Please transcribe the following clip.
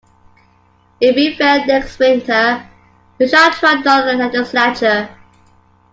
If we fail next winter, we shall try another legislature.